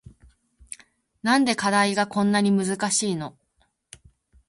なんで課題がこんなに難しいの